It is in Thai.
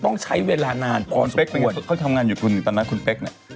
ต้องใช้เวลานานพอสมควรเขาทำงานอยู่คุณตอนนั้นคุณเป๊กเนี่ย